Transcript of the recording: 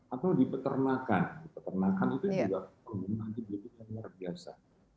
atau di peternakan di peternakan itu juga pengguna antibiotik yang luar biasa